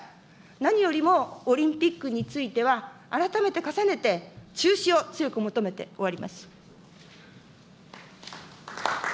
何よりもオリンピックについては、改めて重ねて中止を強く求めて、終わります。